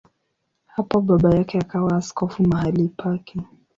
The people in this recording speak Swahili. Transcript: Hapo baba yake akawa askofu mahali pake.